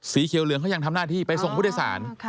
สีเขียวเหลืองเขายังทำหน้าที่ไปส่งผู้โดยสาร